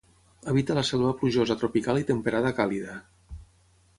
Habita la selva plujosa tropical i temperada càlida.